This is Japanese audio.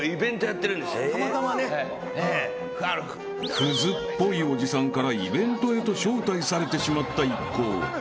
［クズっぽいおじさんからイベントへと招待されてしまった一行］